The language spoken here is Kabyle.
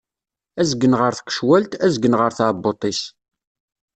Azgen ɣer tqecwalt, azgen ɣer tɛebbuṭ-is.